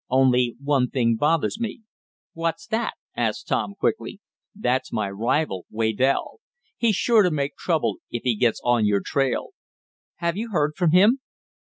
Only one thing bothers me." "What's that?" asked Tom quickly. "That's my rival, Waydell. He's sure to make trouble if he gets on your trail." "Have you heard from him?"